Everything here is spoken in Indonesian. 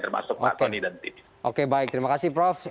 termasuk pak tony dan tim oke baik terima kasih prof